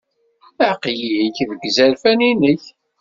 Aql-ik deg yizerfan-nnek.